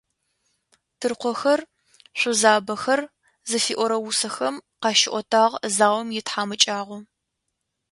«Тыркъохэр», «Шъузабэхэр» зыфиӏорэ усэхэм къащиӏотагъ заом итхьамыкӀагъо.